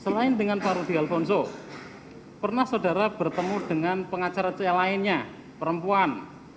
selain dengan pak rudi alfonso pernah saudara bertemu dengan pengacara cl lainnya perempuan